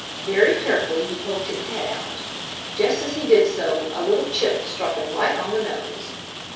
Very carefully he poked his head out. Just as he did so, a little chip struck him right on the nose.